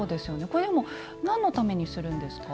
これでも何のためにするんですか？